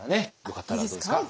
よかったらどうですか？